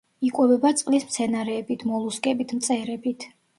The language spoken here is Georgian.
იკვებება წყლის მცენარეებით, მოლუსკებით, მწერებით.